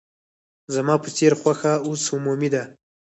زما په څېر خوښه اوس عمومي ده.